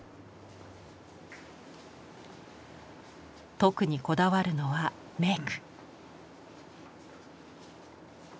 特にこだわるのはメーク。